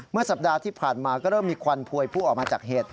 สัปดาห์ที่ผ่านมาก็เริ่มมีควันพวยพุ่งออกมาจากเหตุ